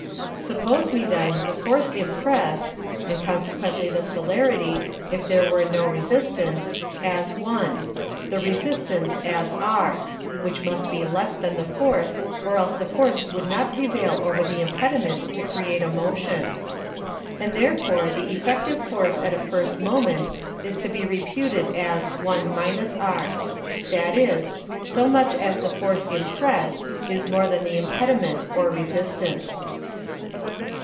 4. Suppose we then the Force impressed (and consequently the Celerity, if there were no Resistance) as 1; the Resistance as r. (which must be less than the Force, or else the Force would not prevail over the Impediment, to create a Motion.) And therefore the effective Force at a first Moment, is to be reputed as 1 r: That is, so much as the Force impressed, is more than the Impediment or Resistance.